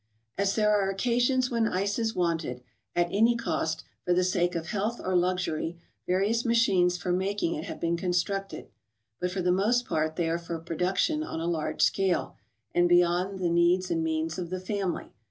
A a s re th ^ casions when ice is wanted, at any cost, for the sake of health or luxury, various machines for making it have been constructed ; but for the most part they are for production on a large scale, and beyond the needs and means of the family.